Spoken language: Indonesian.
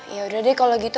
ya udah deh kalau gitu